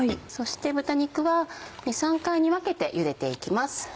そして豚肉は２３回に分けて茹でて行きます。